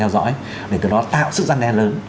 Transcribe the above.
theo dõi để từ đó tạo sự gian đen lớn